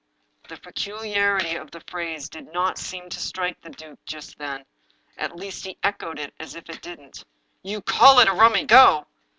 " The peculiarity of the phrase did n^t seem to strike the duke just, then — at least, he echoed it as if it didn't. " You call it a rummy go!